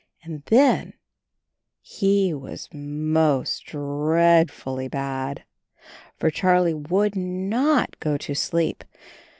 And then — he was most dreadfully bad. For Charlie would not go to sleep.